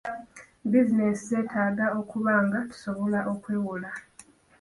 Buzinensi zeetaaga okuba nga sisobola okwewola.